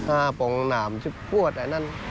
ปงหนามชิบพวดอันนั้น